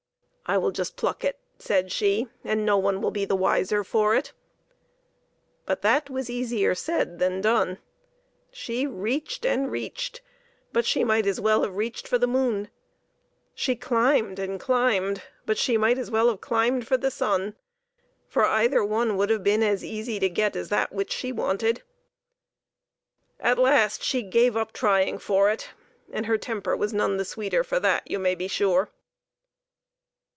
" I will just pluck it," said she, " and no one will be the wiser for it." But that was easier said than done. She reached and reached, but she might as well have reached for the moon ; she climbed and climbed, but she might as well have climbed for the sun for either one would have been as easy to get as that which she wanted. At last she had to give up trying for it, and her temper was none the sweeter for that, you may be sure.